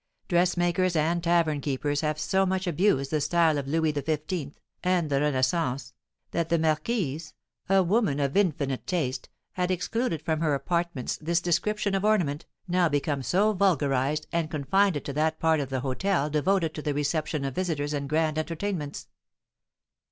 Dressmakers and tavern keepers have so much abused the style of Louis XV. and the Renaissance, that the marquise, a woman of infinite taste, had excluded from her apartments this description of ornament, now become so vulgarised, and confined it to that part of the hôtel devoted to the reception of visitors and grand entertainments.